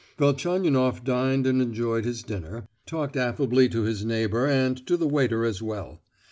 Velchaninoff dined and enjoyed his dinner, talking affably to his neighbour and to the waiter as well.